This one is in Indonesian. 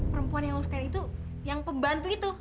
perempuan yang lo sukain itu yang pembantu itu hah